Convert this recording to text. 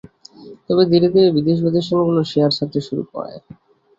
তবে ধীরে ধীরে বিদেশি প্রতিষ্ঠানগুলো শেয়ার ছাড়তে শুরু করে।